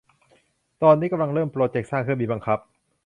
ตอนนี้กำลังเริ่มโปรเจกต์สร้างเครื่องบินบังคับ